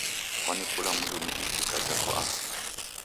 Kwani kula mundu ni itika jako aha?